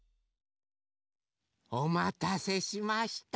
おまたせしました。